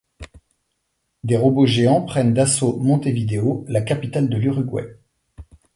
Des robots géants prennent d'assaut Montevideo, la capitale de l'Uruguay.